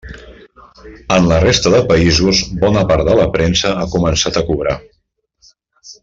En la resta de països bona part de la premsa ha començat a cobrar.